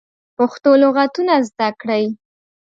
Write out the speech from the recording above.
پښتو لغاتونه زده کړی